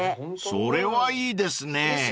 ［それはいいですねぇ］